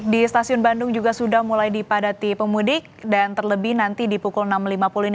di stasiun bandung juga sudah mulai dipadati pemudik dan terlebih nanti di pukul enam lima puluh ini